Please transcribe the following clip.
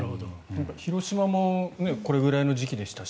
広島もこれくらいの時期でしたし